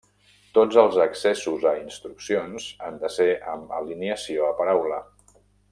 Tots els accessos a instruccions han de ser amb alineació a paraula.